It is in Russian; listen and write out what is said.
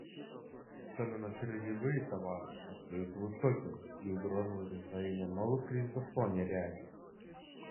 Цены на сырьевые товары остаются высокими, и угроза возникновения новых кризисов вполне реальна.